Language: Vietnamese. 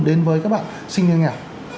đến với các bạn sinh nhân nhà